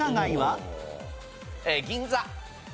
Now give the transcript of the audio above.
銀座。